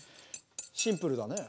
シンプルだね。